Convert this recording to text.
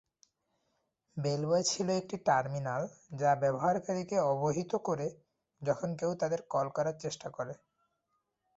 বেলবয় ছিল একটি টার্মিনাল যা ব্যবহারকারীকে অবহিত করে যখন কেউ তাদের কল করার চেষ্টা করে।